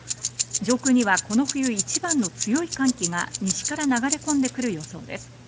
上空にはこの冬一番の強い寒気が西から流れ込んでくる予想です。